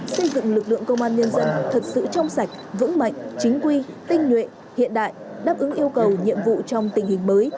xây dựng lực lượng công an nhân dân thật sự trong sạch vững mạnh chính quy tinh nhuệ hiện đại đáp ứng yêu cầu nhiệm vụ trong tình hình mới